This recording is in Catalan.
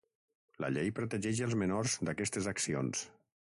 La llei protegeix els menors d'aquestes accions.